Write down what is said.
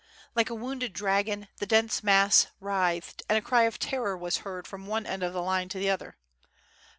Like a wounded dragon the dense mass writhed and a cry of terror was heard from one end of the line to the other.